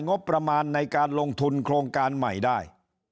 งบประมาณในการลงทุนโครงการใหม่ได้